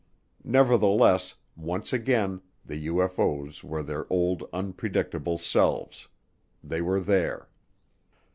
Nevertheless, once again the UFO's were their old unpredictable selves they were there.